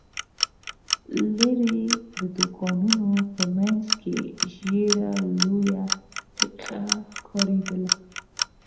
ليرې، د دوکانونو په مينځ کې ژېړه لويه ښيښه ښکارېدله.